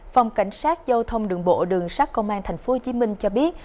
phòng cảnh sát giao thông đường bộ đường sát công an tp hcm cho biết